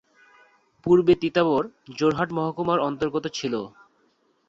পুর্বে তিতাবড় যোরহাট মহকুমার অন্তর্গত ছিল।